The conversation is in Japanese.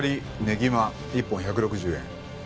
ねぎま１本１６０円。